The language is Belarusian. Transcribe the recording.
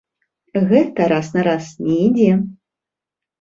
Гэта раз на раз не ідзе.